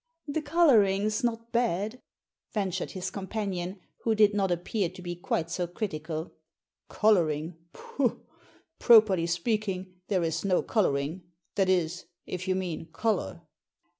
" The colouring's not bad," ventured his companion, who did not appear to be quite so critical "Colouring! Pooh! Properly speaking, there is no colouring — ^that is, if you mean colour."